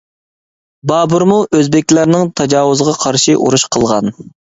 بابۇرمۇ ئۆزبېكلەرنىڭ تاجاۋۇزىغا قارشى ئۇرۇش قىلغان.